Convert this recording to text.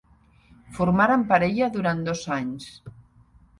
Formaren parella durant dos anys.